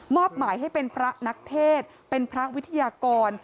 หมายให้เป็นพระนักเทศเป็นพระวิทยากร